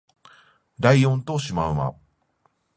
ライオンとシマウマ